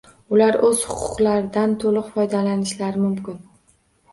Ular o'z huquqlaridan to'liq foydalanishlari mumkin